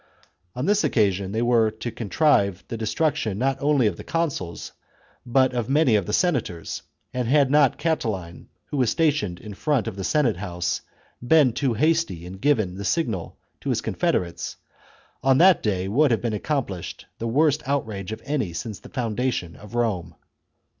On this occasion they were to contrive the destruction not only of the consuls, but of many of the senators, and had not Catiline, who was stationed in front of the Senate house, been too hasty in giving the signal to his confederates, on that day would have been accomplished the worst outrage of any since the foundation of Rome.